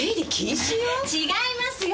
違いますよ！